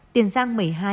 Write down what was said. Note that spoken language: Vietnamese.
tiền giang một mươi hai